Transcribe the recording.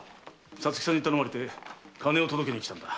皐月さんに頼まれて金を届けに来たんだ。